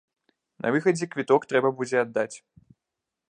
На выхадзе квіток трэба будзе аддаць.